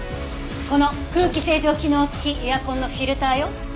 この空気清浄機能付きエアコンのフィルターよ。